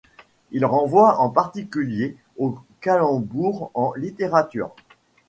Il renvoie en particulier aux calembours en littérature.